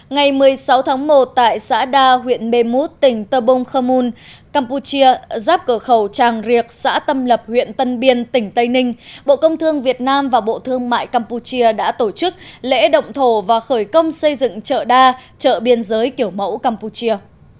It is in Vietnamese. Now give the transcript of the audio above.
ngày một mươi sáu tháng một tại xã đa huyện mê mút tỉnh tờ bông khơ mun campuchia giáp cửa khẩu tràng riệc xã tâm lập huyện tân biên tỉnh tây ninh bộ công thương việt nam và bộ thương mại campuchia đã tổ chức lễ động thổ và khởi công xây dựng chợ đa chợ biên giới kiểu mẫu campuchia